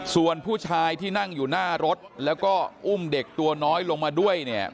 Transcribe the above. ส่วนผู้ชายที่นั่งอยู่หน้ารถแล้วก็อุ้มเด็กตัวน้อยลงมาด้วยเนี่ย